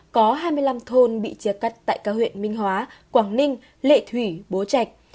có hai mươi năm thôn bị chia cắt tại các huyện minh hóa quảng ninh lệ thủy bố trạch